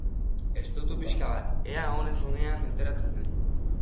Estutu pixka bat, ea onez onean ateratzen den.